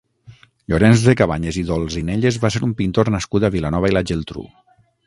Llorenç de Cabanyes i d'Olzinelles va ser un pintor nascut a Vilanova i la Geltrú.